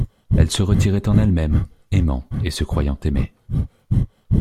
Elle se retirait en elle-même, aimant, et se croyant aimée.